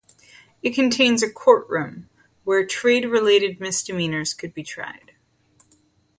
It contains a courtroom where trade-related misdemeanours could be tried.